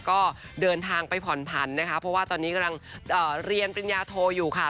ก็เดินทางไปผ่อนผันนะคะเพราะว่าตอนนี้กำลังเรียนปริญญาโทอยู่ค่ะ